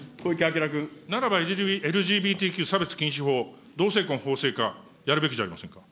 ならばＬＧＢＴＱ差別禁止法、同性婚法制化、やるべきじゃありませんか。